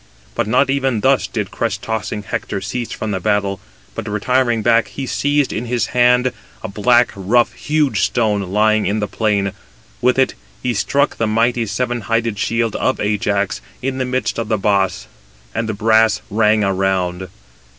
But not even thus did crest tossing Hector cease from the battle: but retiring back, he seized in his hand, a black, rough, huge stone, lying in the plain. With it he struck the mighty seven hided shield of Ajax, in the midst of the boss, and the brass rang around.